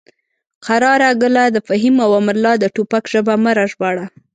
قراره ګله د فهیم او امرالله د ټوپک ژبه مه راژباړه.